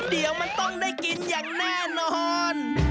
เดี๋ยวมันต้องได้กินอย่างแน่นอน